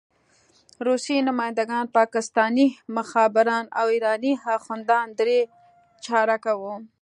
روسي نماینده ګان، پاکستاني مخبران او ایراني اخندان درې چارکه وو.